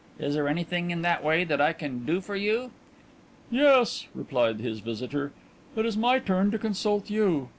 Is there anything in that way that I can do for you?" "Yes," replied his visitor; "it is my turn to consult you."